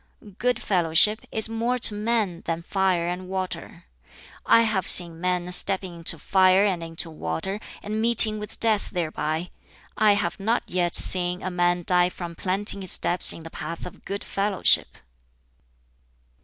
"Good fellowship is more to men than fire and water. I have seen men stepping into fire and into water, and meeting with death thereby; I have not yet seen a man die from planting his steps in the path of good fellowship.